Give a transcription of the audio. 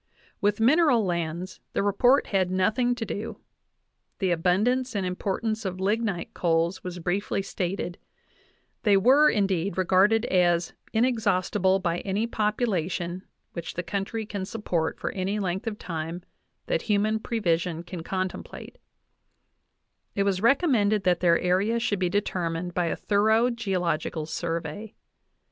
With mineral lands the report had nothing to do. The abundance and importance of lignite coals was briefly stated ; they were, indeed, regarded as "inexhaustible by any population which the country can support for any length of time that human prevision can contemplate;" it was recom mended that their area should be determined by a thorough geological survey.